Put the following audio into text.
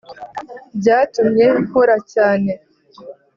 Byatumye nkora cyane